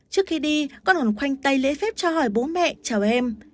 trước khi đi con còn khoanh tay lễ phép cho hỏi bố mẹ cháu em